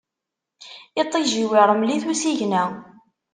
Iṭij-iw, iṛmel-it usigna.